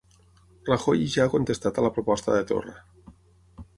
Rajoy ja ha contestat a la proposta de Torra